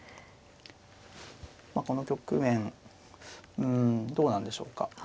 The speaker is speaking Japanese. まあこの局面うんどうなんでしょうか。